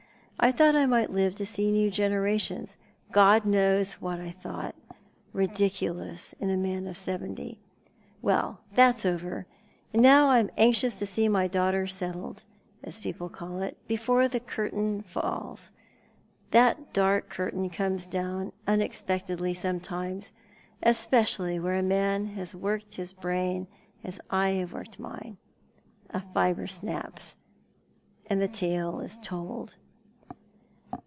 I thought I might live to see new generations. God knows wbat I thought — ridiculous in a man of seventy. "Well, that's over, and now I am anxious to see my daughter settled— as people call it — before the curtain drops. That dark curtain comes down unexpectedly sometimes, especially where a man has worked hia brain as I have worked mine. A fibre snaps, and the tale is told."